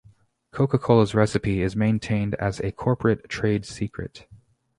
Coca-Cola's recipe is maintained as a corporate trade secret.